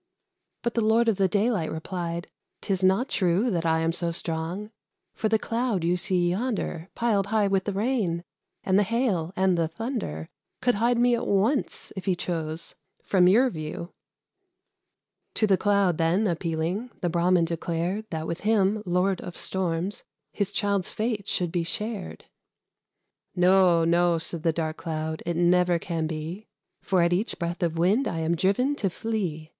But the Lord of the Daylight replied, "'Tis not true That I am so strong; for the Cloud you see yonder, Piled high with the rain, and the hail, and the thunder, Could hide me at once, if he chose, from your view." To the Cloud, then, appealing, the Brahmin declared That with him, Lord of Storms, his child's fate should be shared. "No, No!" said the dark Cloud; "it never can be, For at each breath of wind I am driven to flee.